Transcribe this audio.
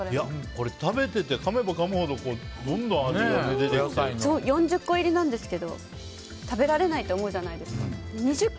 食べてて、かめばかむほど４０個入りなんですけど食べられないと思うじゃないですか。